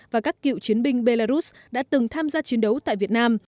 và các cựu chiến binh belarus đã từng tham gia chiến đấu tại việt nam